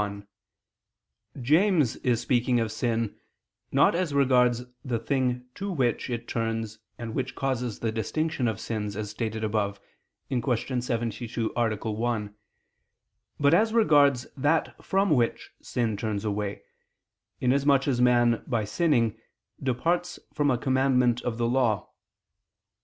1: James is speaking of sin, not as regards the thing to which it turns and which causes the distinction of sins, as stated above (Q. 72, A. 1), but as regards that from which sin turns away, in as much as man, by sinning, departs from a commandment of the law.